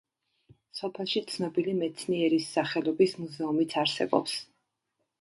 სოფელში ცნობილი მეცნიერის სახელობის მუზეუმიც არსებობს.